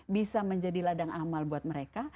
bisa menjadi ladang amal buat mereka